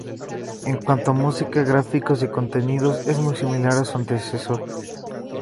En cuanto a música, gráficos y contenidos es muy similar a su antecesor.